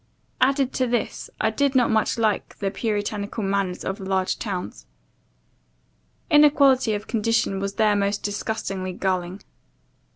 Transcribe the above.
Added to this, I did not much like the puritanical manners of the large towns. Inequality of condition was there most disgustingly galling.